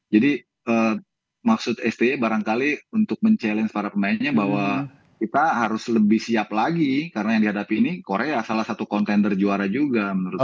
jadi maksud sti barangkali untuk mencabar para pemainnya bahwa kita harus lebih siap lagi karena yang dihadapi ini korea salah satu contender juara juga menurut saya